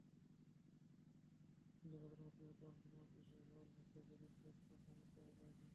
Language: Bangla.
তদন্তে তাঁদের মুক্তিযুদ্ধে অংশ নেওয়ার বিষয়ে গ্রহণযোগ্য দালিলিক কোনো প্রমাণ পাওয়া যায়নি।